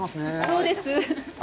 そうです。